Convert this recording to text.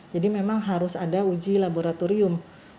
jadi memang harus ada uji laboratorium